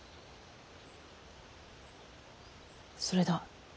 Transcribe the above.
それだ。